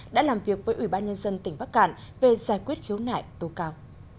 đã làm việc với ủy ban nhân dân tỉnh bắc cạn về giải quyết khiếu nại tố cáo